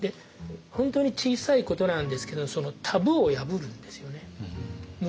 本当に小さいことなんですけどタブーを破るんですよね。